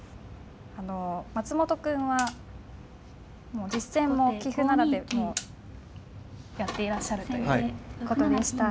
あの松本くんはもう実戦も棋譜並べもやっていらっしゃるということでした。